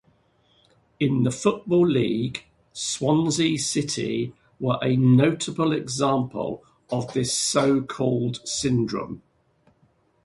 In the Football League, Swansea City were a notable example of this so-called syndrome.